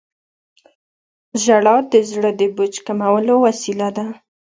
• ژړا د زړه د بوج کمولو وسیله ده.